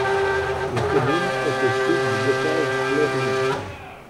La commune est au sud du Bocage flérien.